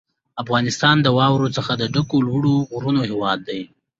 افغانستان د واورو څخه د ډکو لوړو غرونو هېواد دی.